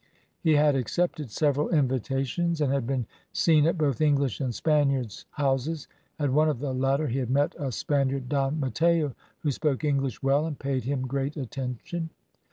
He had accepted several invitations, and had been seen at both English and Spaniards' houses; at one of the latter, he had met a Spaniard, Don Matteo, who spoke English well, and paid him great attention.